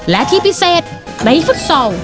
และที่พิเศษในฟุตซอล